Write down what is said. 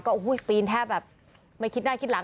โอ้โหปีนแทบแบบไม่คิดหน้าคิดหลัง